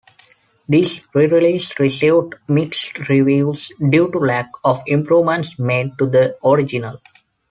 These re-releases received mixed reviews due to lack of improvements made to the original.